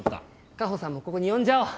果帆さんもここに呼んじゃおう！